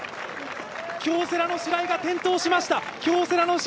京セラの白井が転倒しました。